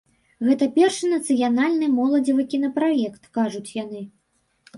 Гэта першы нацыянальны моладзевы кінапраект, кажуць яны.